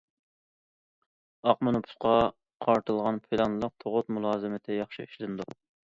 ئاقما نوپۇسقا قارىتىلغان پىلانلىق تۇغۇت مۇلازىمىتى ياخشى ئىشلىنىدۇ.